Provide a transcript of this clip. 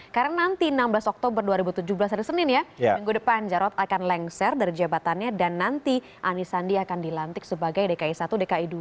karena nanti enam belas oktober dua ribu tujuh belas hari senin ya minggu depan jarod akan lengser dari jabatannya dan nanti ani sandi akan dilantik sebagai dki satu dki dua